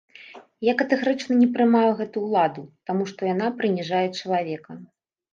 Я катэгарычна не прымаю гэту ўладу, таму што яна прыніжае чалавека.